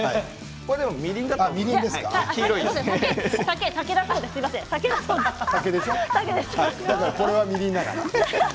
これは、みりんだからね。